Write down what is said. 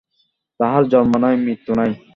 তাঁহার জন্ম নাই, মৃত্যু নাই।